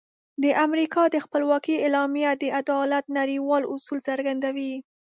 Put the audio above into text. د امریکا د خپلواکۍ اعلامیه د عدالت نړیوال اصول څرګندوي.